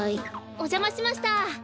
おじゃましました。